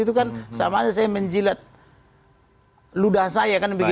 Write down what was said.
itu kan sama saja saya menjilat ludah saya